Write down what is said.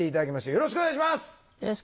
よろしくお願いします。